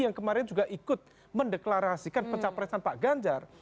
yang kemarin juga ikut mendeklarasikan pencapresan pak ganjar